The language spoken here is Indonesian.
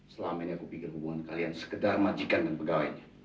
selama ini aku pikir hubungan kalian sekedar majikan dan pegawainya